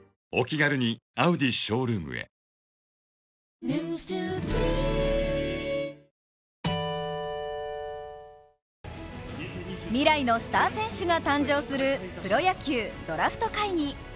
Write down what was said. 帰れば「金麦」未来のスター選手が誕生する「プロ野球ドラフト会議」。